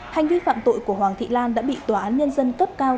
hành vi phạm tội của hoàng thị lan đã bị tòa án nhân dân cấp cao